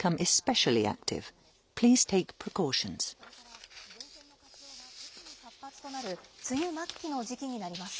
これから前線の活動が特に活発となる梅雨末期の時期になります。